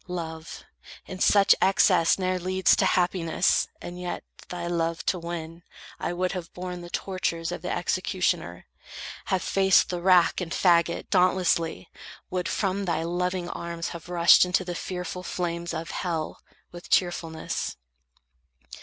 Love In such excess ne'er leads to happiness. And yet, thy love to win, I would have borne The tortures of the executioner; Have faced the rack and fagot, dauntlessly; Would from thy loving arms have rushed into The fearful flames of hell, with cheerfulness.